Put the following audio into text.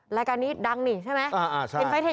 รายการนี้ดังนี่ใช่ไหม